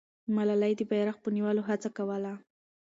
ملالۍ د بیرغ په نیولو هڅه کوله.